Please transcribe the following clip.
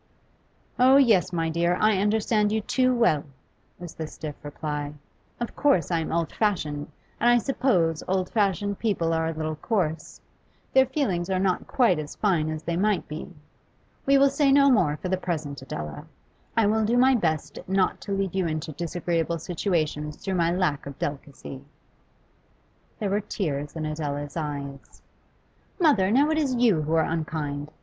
'Oh yes, my dear, I understand you too well,' was the stiff reply. 'Of course I am old fashioned, and I suppose old fashioned people are a little coarse; their feelings are not quite as fine as they might be. We will say no more for the present, Adela. I will do my best not to lead you into disagreeable situations through my lack of delicacy.' There were tears in Adela's eyes. 'Mother, now it is you who are unkind.